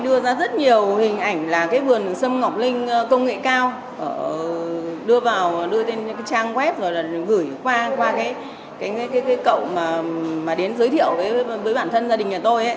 đưa ra rất nhiều hình ảnh là vườn sâm ngọc linh công nghệ cao đưa vào trang web rồi gửi qua cậu mà đến giới thiệu với bản thân gia đình nhà tôi